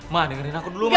ma dengerin aku dulu ma